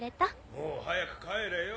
もう早く帰れよ。